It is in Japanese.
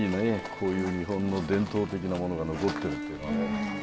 こういう日本の伝統的なものが残ってるっていうのはね。